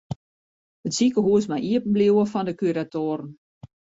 It sikehús mei iepen bliuwe fan de kuratoaren.